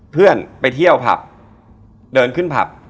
เพื่อนไปเที่ยวผับเดินขึ้นผับ